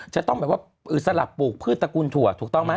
จะต้องแบบว่าสลับปลูกพืชตระกูลถั่วถูกต้องไหม